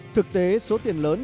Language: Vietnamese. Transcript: thực tế số tiền lớn